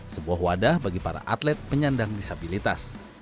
sebuah wadah bagi para atlet penyandang disabilitas